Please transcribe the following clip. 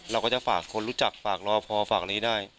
เราก็จะฝากคนรู้จักฝากรอพอฝากนี้ได้